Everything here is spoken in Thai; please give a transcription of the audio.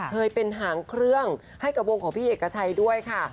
เคยเป็นหางเครื่องให้กับวงของพี่เอกชัยด้วยค่ะ